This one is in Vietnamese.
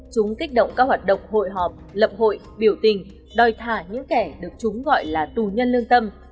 chúng kích động các hoạt động hội họp lập hội biểu tình đòi thả những kẻ được chúng gọi là tù nhân lương tâm